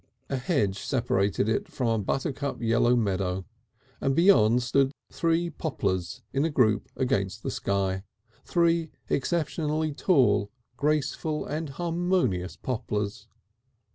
A hedge separated it from a buttercup yellow meadow, and beyond stood three poplars in a group against the sky, three exceptionally tall, graceful and harmonious poplars.